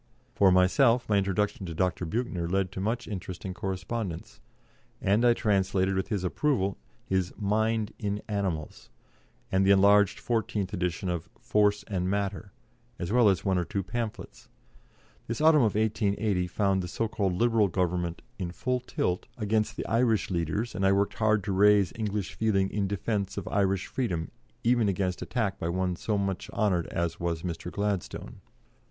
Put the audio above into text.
For myself, my introduction to Dr. Büchner, led to much interesting correspondence, and I translated, with his approval, his "Mind in Animals," and the enlarged fourteenth edition of "Force and Matter," as well as one or two pamphlets. This autumn of 1880 found the so called Liberal Government in full tilt against the Irish leaders, and I worked hard to raise English feeling in defence of Irish freedom even against attack by one so much honoured as was Mr. Gladstone.